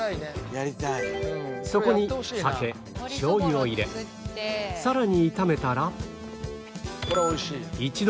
そこに酒しょう油を入れさらに炒めたら